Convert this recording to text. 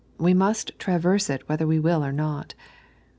We must traverse it whether we will or not.